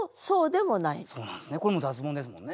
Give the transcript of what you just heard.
これも脱ボンですもんね。